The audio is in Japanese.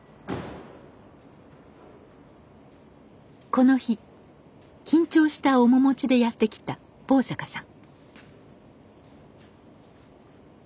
この日緊張した面持ちでやって来た坊坂さん。